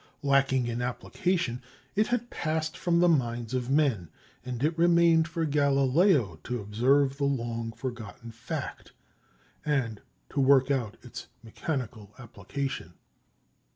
Lacking in application, it had passed from the minds of men, and it remained for Galileo to observe the long forgotten fact and to work out its mechanical application.